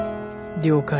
了解。